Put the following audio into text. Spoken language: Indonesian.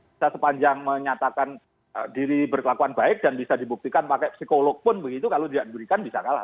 bisa sepanjang menyatakan diri berkelakuan baik dan bisa dibuktikan pakai psikolog pun begitu kalau tidak diberikan bisa kalah